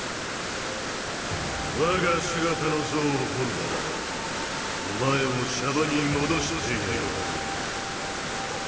我が姿の像を彫るならばお前を娑婆に戻してやろう。